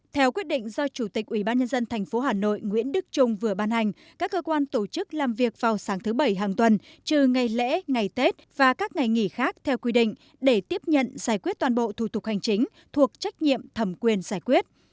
theo quyết định do chủ tịch ubnd tp hà nội nguyễn đức trung vừa ban hành các cơ quan tổ chức làm việc vào sáng thứ bảy hàng tuần trừ ngày lễ ngày tết và các ngày nghỉ khác theo quy định để tiếp nhận giải quyết toàn bộ thủ tục hành chính thuộc trách nhiệm thẩm quyền giải quyết